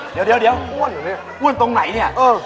เดี๋ยวอ้วนตรงไหนเนี่ย